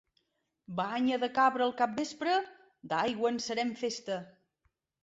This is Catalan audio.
Banya de cabra al capvespre, d'aigua en serem festa.